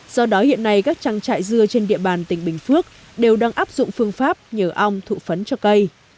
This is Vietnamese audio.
do đó hiện nay các trang trại dưa trên địa bàn tỉnh bình phước đều đang áp dụng phương pháp nhờ ong thụ phấn cho cây